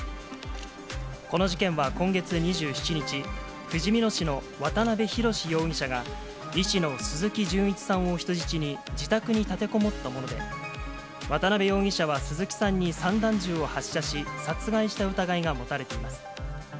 この事件は今月２７日、ふじみ野市の渡辺宏容疑者が、医師の鈴木純一さんを人質に、自宅に立てこもったもので、渡辺容疑者は鈴木さんに散弾銃を発射し、殺害した疑いが持たれています。